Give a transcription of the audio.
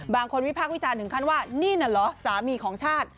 วิพากษ์วิจารณ์ถึงขั้นว่านี่น่ะเหรอสามีของชาติ